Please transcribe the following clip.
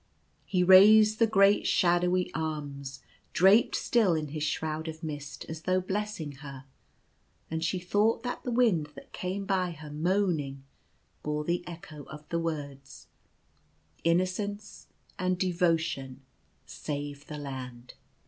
He raised the great shadowy arms, draped still in his shroud of mist, as though blessing her ; and she thought that the wind that came by her moaning bore the echo of the words :" Innocence and devotion save the land."